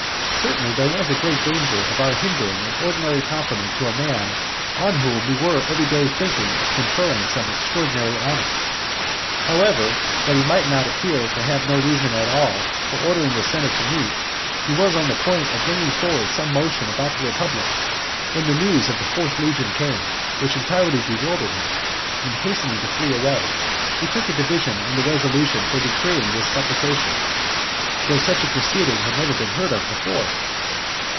Certainly there was a great danger of our hindering an ordinary compliment to a man on whom we were every day thinking of conferring some extraordinary honour. However, that he might not appear to have had no reason at all for ordering the senate to meet, he was on the point of bringing forward some motion about the republic, when the news about the fourth legion came; which entirely bewildered him, and hastening to flee away, he took a division on the resolution for decreeing this supplication, though such a proceeding had never been heard of before.